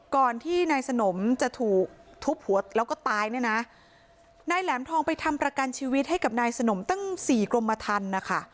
ก่อนที่นายสนมจะถูกทุบหัวแล้วก็ตายนายแหลมทองไปทำประกันชีวิตให้กับนายสนมตั้ง๔กรมธรรม